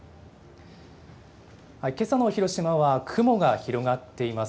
けさの広島は雲が広がっています。